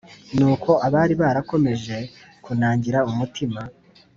Nuko abari barakomeje kunangira umutima,